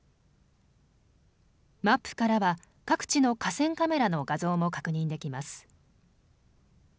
マップからは各地の河川カメラの画像も確認できます。